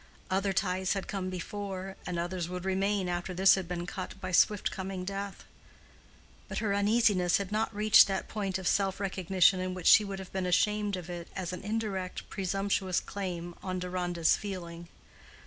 Other ties had come before, and others would remain after this had been cut by swift coming death. But her uneasiness had not reached that point of self recognition in which she would have been ashamed of it as an indirect, presumptuous claim on Deronda's feeling.